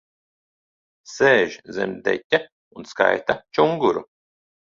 Sēž zem deķa un skaita čunguru.